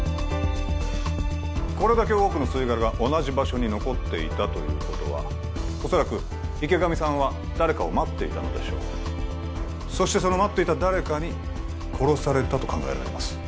これだけ多くの吸い殻が同じ場所に残っていたということは恐らく池上さんは誰かを待っていたのでしょうそしてその待っていた誰かに殺されたと考えられます